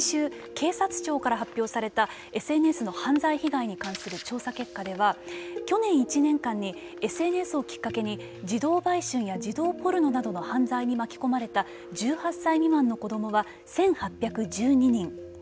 先週警察庁から発表されたＳＮＳの犯罪被害に関する調査結果では去年１年間にＳＮＳをきっかけに児童売春や児童ポルノなどの犯罪に巻き込まれた１８歳未満の子どもは１８１２人。